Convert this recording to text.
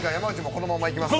このままいきます。